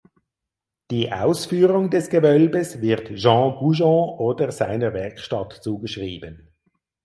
Die Ausführung des Gewölbes wird Jean Goujon oder seiner Werkstatt zugeschrieben.